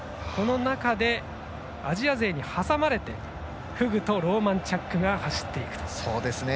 アジア勢に挟まれてフグとローマンチャックが走っていくと。